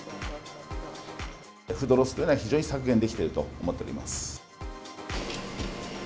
フードロスというのが非常に削減できていると思っております。